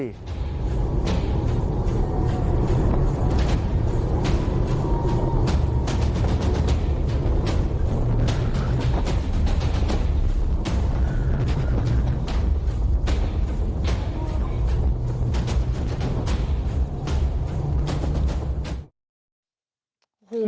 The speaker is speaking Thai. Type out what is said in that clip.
ญาติปายรัด